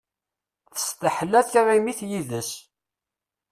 Testaḥla tiɣimit d yid-s.